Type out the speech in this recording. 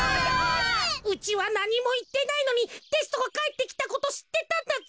うちはなにもいってないのにテストがかえってきたことしってたんだぜ！